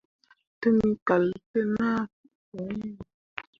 Tǝmmi kal te naa ɓoyin.